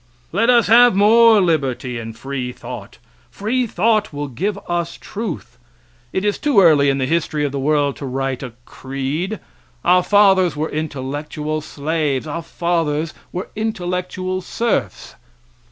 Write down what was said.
Let us have more liberty and free thought. Free thought will give us truth. It is too early in the history of the world to write a creed. Our fathers were intellectual slaves; our fathers were intellectual serfs.